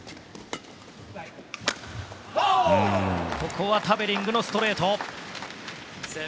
ここはタベリングのストレート。